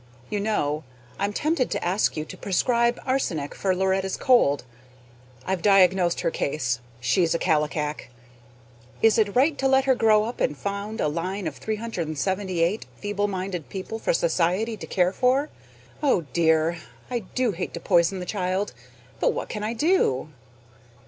You know, I'm tempted to ask you to prescribe arsenic for Loretta's cold. I've diagnosed her case; she's a Kallikak. Is it right to let her grow up and found a line of 378 feeble minded people for society to care for? Oh dear! I do hate to poison the child, but what can I do?